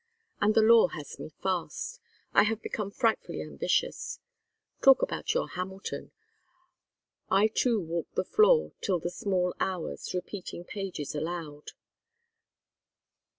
And the law has me fast. I have become frightfully ambitious. Talk about your Hamilton. I too walk the floor till the small hours, repeating pages aloud.